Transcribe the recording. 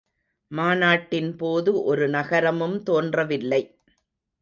மாநாட்டின் போது ஒரு நகரமும் தோன்றவில்லை.